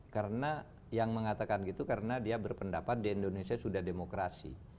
karena yang mengatakan itu karena dia berpendapat di indonesia sudah demokrasi